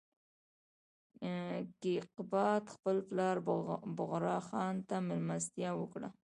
کیقباد خپل پلار بغرا خان ته مېلمستیا وکړه.